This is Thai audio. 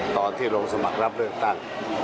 ตอนที่ลงสมัครรับเลือกตั้ง